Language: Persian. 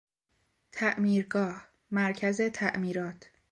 تعمیرگاه، مرکز تعمیرات